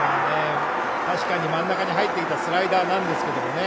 確かに真ん中に入ったスライダーなんですけどね。